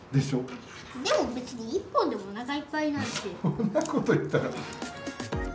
そんなこと言ったら。